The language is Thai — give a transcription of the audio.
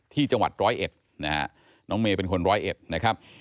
ที่จังหวัดร้อยเอ็ดนะฮะน้องเมย์เป็นคนร้อยเอ็ดนะครับ